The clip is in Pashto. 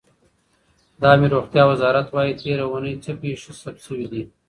د عامې روغتیا وزارت وایي تېره اوونۍ څه پېښې ثبت شوې دي.